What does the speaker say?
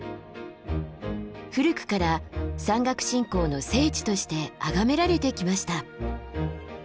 古くから山岳信仰の聖地としてあがめられてきました。